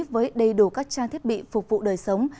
với đầy đủ các trang thiết bị phục vụ đời sống